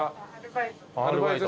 アルバイトで。